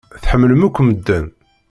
Tḥemmlem akk medden.